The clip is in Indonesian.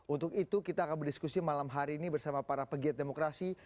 untuk itu kita akan berdiskusi malam hari ini bersama para pegiat demokrasi